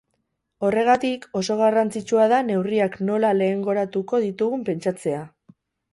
Horregatik, oso garrantzitsua da neurriak nola lehengoratuko ditugun pentsatzea.